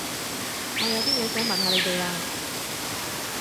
我有啲嘢想問下你哋啊